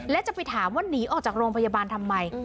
และจะไปถามว่าหนีออกจากโรงพยาบาลทำไม